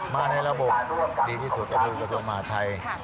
มาในระบบดีที่สุดก็คือกระทรวงมหาทัย